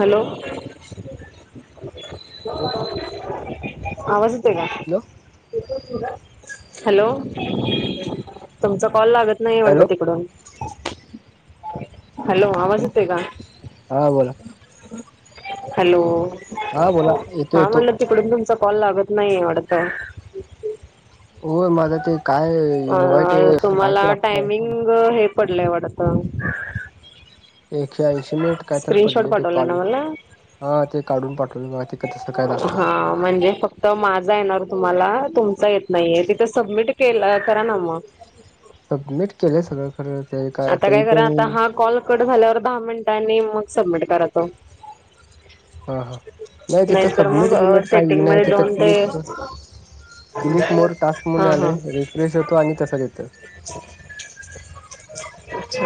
Hello hello आवाज येत का हॅलो तुमच कॉल लागत नाही हॅलो वडत तिकडून हॅलो आवाजते का हा बोला हॅलो बोला येतो हा येतो म्हटलं तिकडून तुमचा कॉल लागत नाही एवड तर हो मझ ते एक अ तुम्हाला लागतय टायमिंग हे पडलंय वाटत एकशे ऐंशी मिनट काय तर पडले ते पाठवलाय ना काढून मला हा ते काढून पाठवले ते तसं काय दाखवत आहे हा म्हणजे फक्त माझा येणार तुम्हाला तुम येत नाही तिथे सबमिट के करा ना मग सबमिट केलंय सगळं खर आता काय करा आता हा कॉल कट झाल्यावर दहा मिनटांनी मग सबमिट करा तो हा हा नाही तिथं नाहीतर सबमिट मग बिमिट काही सेटिंग नाही मध्ये तिथं दोन ते क्लिक हा क्लिक मोर टास्क म्हण आले रिफ्रेश होतो आणि तसा देत अच्छ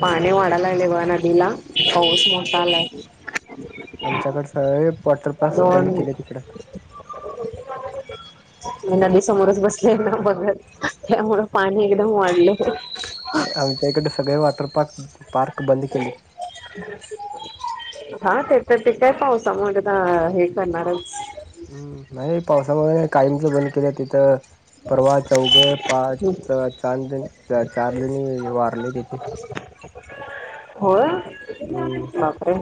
पाणी वाढायला लागले बघ नदीला पाऊस मोसालाय आमच्याकड सगळे वॉटरपस दोन बंद केले तिकड नदी समोरच बसले ना बघत त्यामुळं पाणी एकदम वाढलं आमच्या इकडे सगळे वॉटर पार्क पार्क बंद [inaudible] केलेत हा ते तर ते काय पाऊसा मूळ हे करणारच. कायमचं बंद केलं तिथं. परवा, चौघ -पाच च, चारजणी वारले तिथे. हो बापरे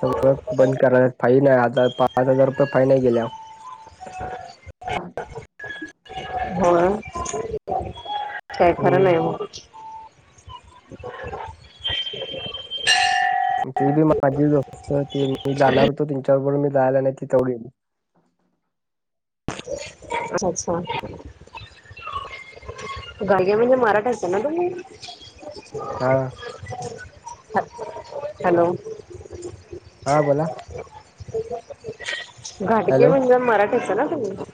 सगळ बंद कराय फाईन नाही आता पाच हजार रुपये फाई नाही गेल्या होय काय खरं हम्म नाही मग ते बी माझी ज असत ते मी जाणार होतो तच्याबरोबर मी जायला नाही त तेडील अच्छा अच्छा गाग्या म्हणजे मराठ असत ना तुम्ही हा हॅलो हा बोला. घाडगे हॅलो म्हणजे मराठीच ना तु्म्ही?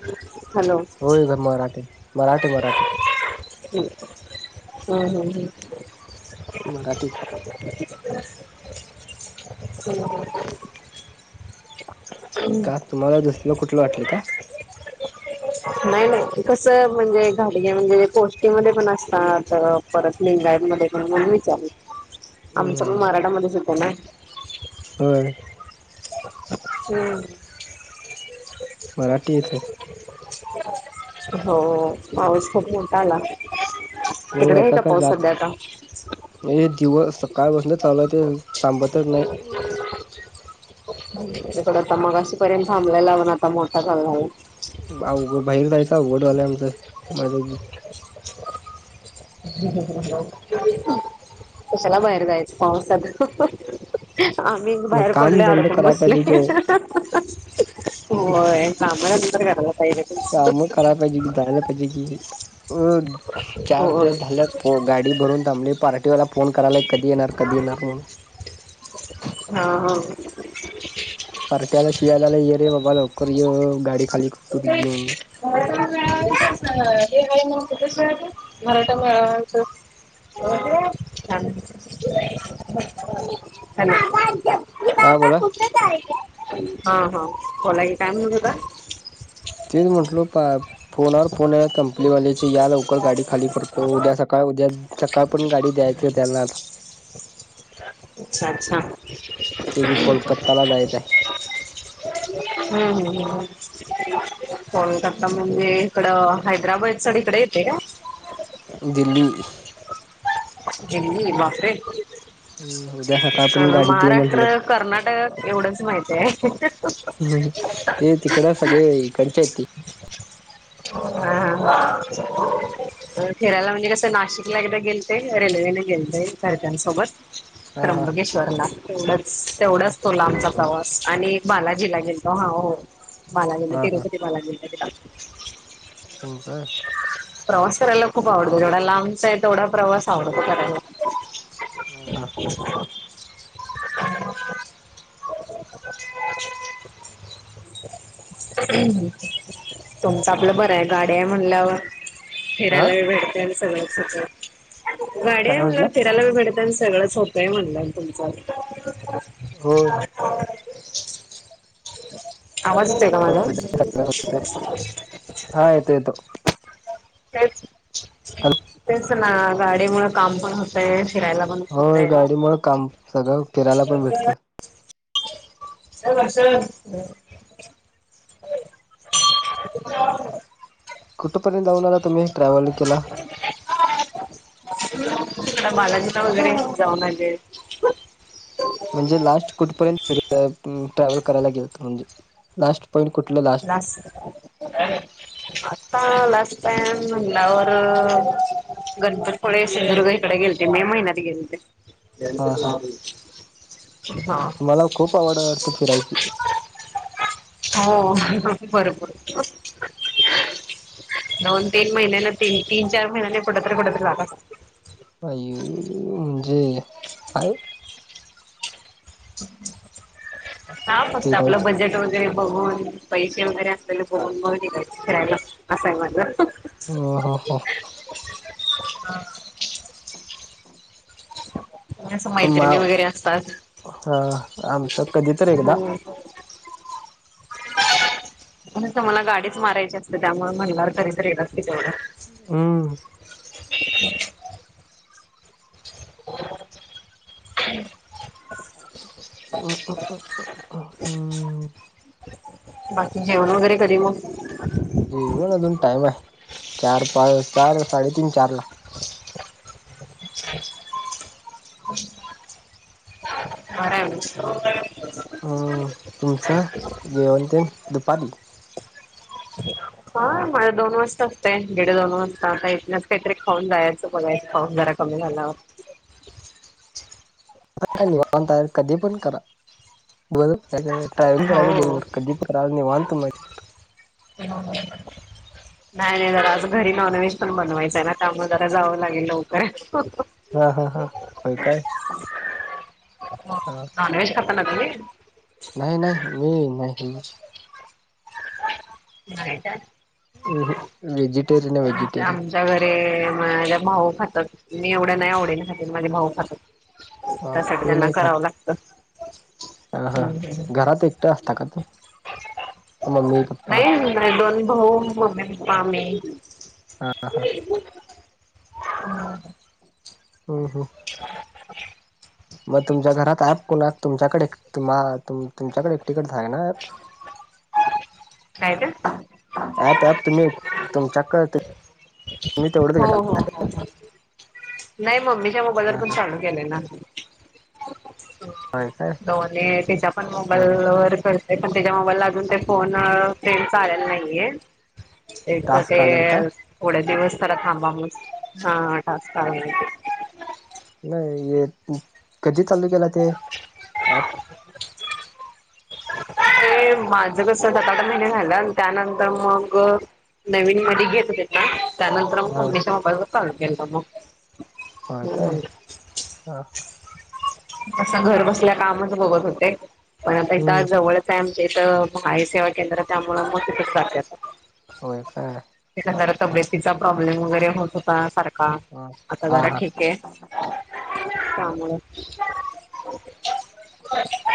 होय ग मराठी. मराठीे, मराठी. हम् हम्म हम् हम्. मराठीच. [inaudible] [inaudible] का तुम्हाला दुसल कुठलं वाटले का? नाही, नाही कस म्हणजे घाडगे म्हणजे कोष्टीमध्ये पण असतात, परत लिंगायत म्हणून विचारलं आमच नाही म्हणून नाही मराठा मध्येच. येते ना होय. हम्म. मराठी येत आहे. हो पाऊस खूप मोठा आला. हो तिकडे आहे आता का काय पाऊस जात सध्या आता हे दिवस? सकाळ पासून चालूय ते थांबतच नाही. त [inaudible] अशीपर्यंत थांबयला लाव ना आता मोठा झाला अवघड. बाहेर जायचं अवघड झालंय. आमचं माझ ज. कशाला बाहेर जायचं पावसात. आम्ही मग बाहेर काम पडले, धंद अडकून करायला बसले. पाहिजे कि ओ होय काम नंतर करायला पाहिजे काम करायला पाहिजे, कि जायला पाहिजे कि, अ चार होय दिवस झाल्या गाडी भरून थांबली पार्टीवाला. फोन करायलाय, कधी येणार, कधी येणार म्हून ह पार्ट्याला शिव्या खयला झाला ये रे बाबा लवकर ये. गाडी खाली करतो तळा तुझी म्हणून हे [inaudible] [inaudible] मराठा मेळाव्याच. [inaudible] हॅलो हे हा बाबा बोला कुठे चालला आहात. ह ह बोला की काय म्हणत होता तेच म्हटल प फोनवर फोन यायला लागले कंपनीवाल्याची, या लवकर गाडी खाली करतो, उद्या सकाळ. उद्या सकाळ पर्यत गाडी द्यायची त्यांना आता. [inaudible] सांग ह ते बी कोलकत्ताला जायचं ह [inaudible] कोलकाता आहे म्हणजे इकडं हैदराबाद सळ इकडे येते दिल्ली दिल्ली बापरे हम्म उद्या सकाळ अ पण गाडी दे महाराष्ट्र म्हटलेत कर्नाटक एवढंच माहित आहे ते तिकडं सगळे इकडच्या य ते [inaudible] ह ह फिरायला म्हणजे कस नाशिकला एकदा गेल ते रेल्वे मी गेलते घरच्या सोबत. हा हा त्र्यंबकेश्वरला. तेवढच, हा तेवढाच तो लांबचा प्रवास. आणि बालाजीला गेलतो. हा हो बालाजीला. हा हा हा तिरुपती बाला गेलतो तिला. हो काय प्रवास करायला खूप आवडतो जेवढा लांबचा आहे. तेवढा प्रवास आवडतो करायला. [inaudible] हा हा [unintelligible] तुमचं आपलं बरं आहे. गाड्या आहे म्हनल्यावर आ फिरायला बी भेडते आणि सगलच [unintelligible] गाडी काय आहे म्हंटला म्हनल्यावर फिरायला बी भेट . सगळं सोपं आहे म्हनल तुमचं आता [inaudible] होय [inaudible] हा येतो येतो तेच हॅल तेच ना, गाडी मुळ काम पण होतय. खेळायला बन होय होतय गाडीमुळे काम सगळं फिरायला पण भेटतं अ वष ह कुठपर्यंत जाऊन आला तुम्ही ट्रॅव्हलिंग केला बालाजीला वगैरे जाऊन आली आहे म्हणजे लास्ट कुठपर्यंत ट्रॅव्हल करायला गेल तर म्हणजे लास्ट पॉईंट कुठलं लास्ट लाष्ट आता पॅ म्हणलावरर गणपतपुळे सिंदुर्ग इकडे गेलते मे महिन्यात गेलते हा हा हा तुम्हाला खूप आवड वाडत फिरायची हो भरपूर. दोन तीन महिन्याना तीन तीन चार महिन्याने कठत र पुठत लाग. आई म्हणजे आहेय. हा फक्त आपलं फिरायचं बजेट वगैरे. ब पैसे वगैरे असले बन भाऊ घयच करायला असं आहे म्हटलं. ह हा ह. हा असं मा मैत्रिणी वगैरे असतात अ आमचं कधी तररी हो एकदा म्हणून म्हण त म्हाला गाडीच मारायची असते त्यामुळे म्हणणारवर कधतरी नगते तेवढं हम् हम् अ हम् बाकी जेवण वगैरे करे म जेवण अजून टाइम आहे चार पाच चार साडेतीीन चार ला [inaudible] हम्म तुमच जेवंतन दुपारी हा माला दोन वाजता असते डेडे दोन वाजता आता इथनच काहीतरी खाऊन जायचं बघ खाऊ जात त्या कमी झाणारवर आता का निवारण तयार कधी पण करा ब ट्रॅव्हंग करायच क मानतो मा हो नाही नाही जरा आज घरी नॉनव्हेज पण बनवायचं आहे ना त्यामुळे जरा जावं लागेल लवकर हा हा हा होय काय हा [unintelligible] नॉन वेज खाता ना तुम्ही नाही नाही मी नाही नाही काय? ह वेजि - आमच्या आमच्या घरी माझ्या भाऊ खातात मी एवढं नाही आवडेने खात माझे भाऊ खातात त्यासाठी त्यांना करावं लागतं अ हा घरात एकटं असता का तू मम्मी पप्पा नाही नाही दोन भाऊ मम्मी पप्पा मी ह हम्म हम्म [inaudible] मग तुमच्या घरात आहे कोणा तुमच्याकडे तम्हा तुमच्याकडे एकटिक आहे ना अॲप काय का. ऍप ऍप तुम्ही एक- तुमच्याकडे तुम्ही तेवढंच हो घेतला हो हो नाही मम्मीच्या मोबादर हा पण हा शाडू गेलेय ना. होय काय दो् तिच्या पण हा मोबाईलवर करत पण त्याच्या मोबाईलला अजून ते फोन. फ्रेंड च आलेला नाहीये. त्याच टास्क ते आलं का थोडे दिवस तरा थांबावस. हा टास् [unintelligible] नाही कधी चालू केला ते ॲप ते माझ कस सता आठ महिने झालं त्यानंतर मग. नवीन मधी घेत होते ना त्यानंतर मग हा फाऊंडेशन वापरायला चालु केल मग. होय काय हम्म हा तस घर बसल्या कामच बघत होते पण आता इथ हम्म जवळच. तिथ महा ई सेवा केंद्र त्यामुळं म तिथच जाते अता होय काय इथ जरा तब्येतीचा प्रॉब्लेम वगैरे होत होता सारख का हा आता हा जरा हा ठीक आहे त्यामुळ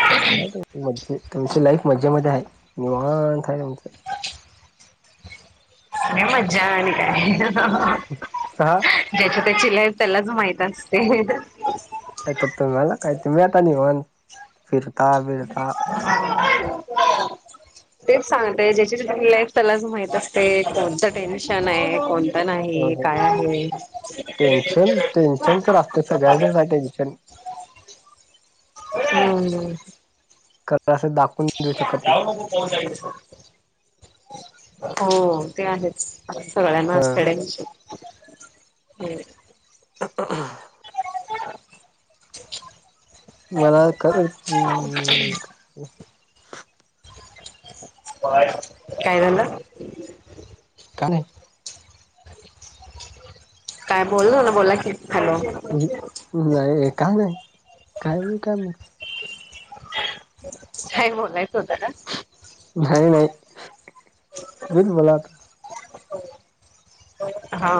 चांगल हाय की म तुमची लाईफ मजे मध्ये हाय निवांत हाय मज्जा आणि काय का ज्याची त्याची लाईफ त्याला माहित असते. आ तर तुम्हाला काय तुम्ही अता निवांत न फिरता फिरता. [unintelligible] तेच सांगते ज्याची तु लाईफ त्यालाच माहित असते कोणतं टेन्शन आहे कोण आता हो नाही हो. काय आहे. टेन्शन टेन्शन तर असते सगळ्यांनीच आहे टेन्शन हम्म. कला असं दाखवून देऊ शकत नाही. जाऊ मग पाऊस आहे तिथं. हो ते आहेच सगळ्यांना हा नसाड्यांची. ह. [unintelligible] [unintelligible] मला खरं अम अम. काय झालं. का नाही? काय बोल ना बोला की. हॅलो नाही का नाही काय मी काय मग. काय बोलायच नाही नाही तुहीच बला हा.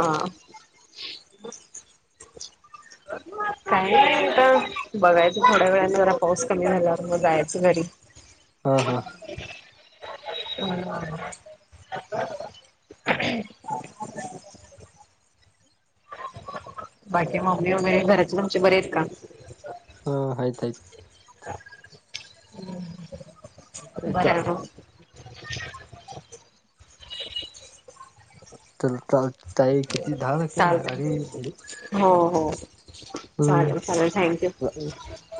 काय नाही [unintelligible] हा हा. [unintelligible] बाकी माम्मी वमेर घराचे तुमचे बरे आहेत का? हा हायत हायत. आहेत बरा. तर तई किती दहा सक चालतंय अरे. हो हो हम्म चालेल चालेल थँक यू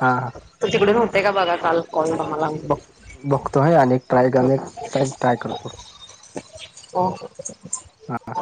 हा हा तिकडे होते का बघा काल. कॉल मला. बघ बघतो ह अनेक ट्राय अनेक साई ट्राय करतो. ओ हो - हां.